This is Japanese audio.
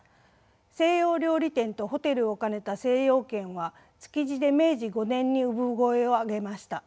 西洋料理店とホテルを兼ねた精養軒は築地で明治５年に産声を上げました。